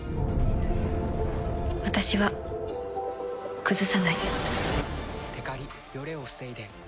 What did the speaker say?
私は崩さない。